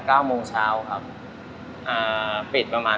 ก็เลยเริ่มต้นจากเป็นคนรักเส้น